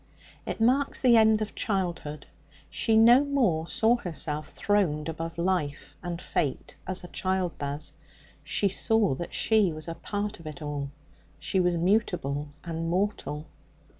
It marks the end of childhood. She no more saw herself throned above life and fate, as a child does. She saw that she was a part of it all; she was mutable and mortal.